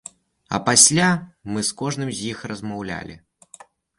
А пасля мы з кожным з іх размаўлялі.